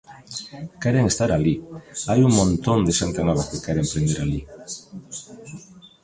Queren estar alí, hai un montón de xente nova que quere emprender alí.